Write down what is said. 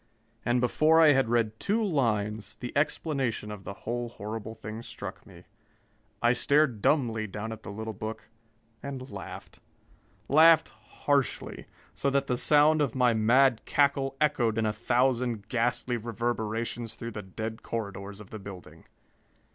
And before I had read two lines, the explanation of the whole horrible thing struck me. I stared dumbly down at the little book and laughed. Laughed harshly, so that the sound of my mad cackle echoed in a thousand ghastly reverberations through the dead corridors of the building.